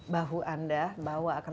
bahu anda bahwa akan